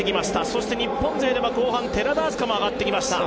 そして日本勢では後半寺田明日香も上がってきました。